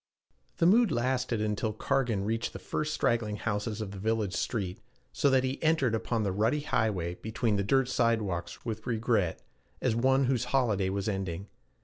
The mood lasted until Cargan reached the first straggling houses of the village street, so that he entered upon the rutty highway between dirt sidewalks with regret, as one whose holiday was ending.